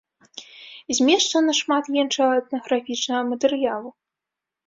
Змешчана шмат іншага этнаграфічнага матэрыялу.